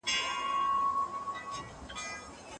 محصلين د تېرو پېښو په اړه نوي مطالب لولي.